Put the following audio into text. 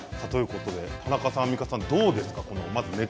田中さん、アンミカさんどうですか？